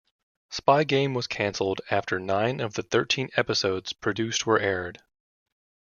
"Spy Game" was canceled after nine of the thirteen episodes produced were aired.